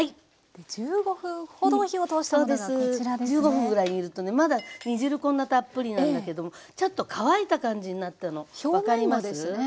１５分ぐらい煮るとねまだ煮汁こんなたっぷりなんだけどもちょっと乾いた感じになったの表面がですね。